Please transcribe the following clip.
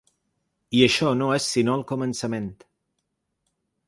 I això no és sinó el començament.